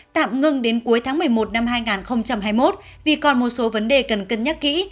tạm ngưng đến cuối tháng một mươi một năm hai nghìn hai mươi một vì còn một số vấn đề cần cân nhắc kỹ